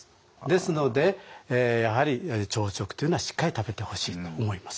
ですのでやはり朝食というのはしっかり食べてほしいと思いますね。